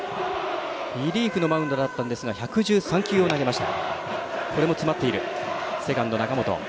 リリーフのマウンドだったんですが１１３球を投げました。